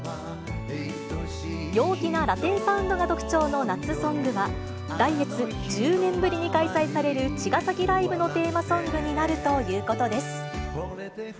陽気なラテンサウンドが特徴の夏ソングは、来月、１０年ぶりに開催される茅ヶ崎ライブのテーマソングになるということです。